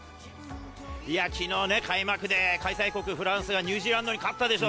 きのう開幕で開催国・フランスがニュージーランドに勝ったでしょ。